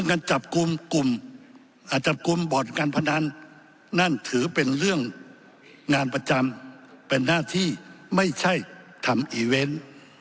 การจับกลุ่มกลุ่มจับกลุ่มบ่อนการพนันนั่นถือเป็นเรื่องงานประจำเป็นหน้าที่ไม่ใช่ทำอีเวนต์